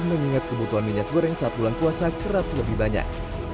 mengingat kebutuhan minyak goreng saat bulan puasa kerap lebih banyak